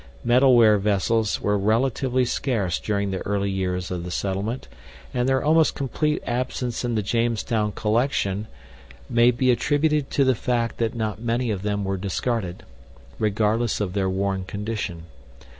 Metalware vessels were relatively scarce during the early years of the settlement, and their almost complete absence in the Jamestown collection may be attributed to the fact that not many of them were discarded, regardless of their worn condition.